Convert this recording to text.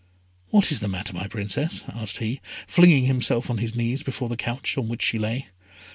"What is the matter, my Princess?" asked he, flinging himself on his knees before the couch on which she lay.